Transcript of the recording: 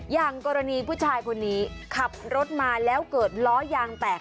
อย่างกรณีผู้ชายคนนี้ขับรถมาแล้วเกิดล้อยางแตก